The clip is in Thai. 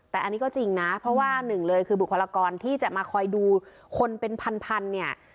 แต่อันนี้ก็จริงนะเพราะว่าหนึ่งเลยคือบุคลากรที่จะมาคอยดูคนเป็นพันพันเนี่ย